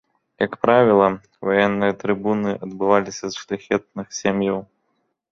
Як правіла, ваенныя трыбуны адбываліся з шляхетных сем'яў.